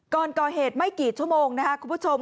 ก่อนก่อเหตุไม่กี่ชั่วโมงนะครับคุณผู้ชม